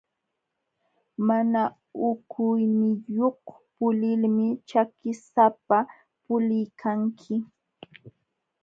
Mana hukuyniyuq pulilmi ćhakisapa puliykanki.